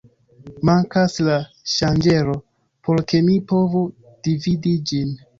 Mankas la ŝanĝero por ke mi povu dividi ĝin.